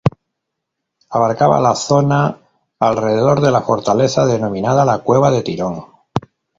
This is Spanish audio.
Abarcaba la zona alrededor de la fortaleza denominada "La Cueva de Tirón".